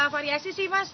variasi sih mas